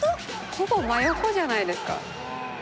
ほぼ真横じゃないですか。